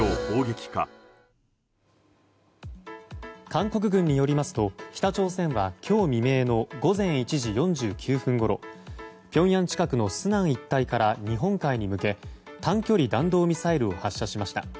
韓国軍によりますと北朝鮮は今日未明の午前１時４９分ごろピョンヤン近くのスナン一帯から日本海に向け短距離弾道ミサイルを発射しました。